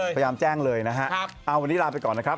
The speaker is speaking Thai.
พยายามแจ้งเลยนะฮะเอาวันนี้ลาไปก่อนนะครับ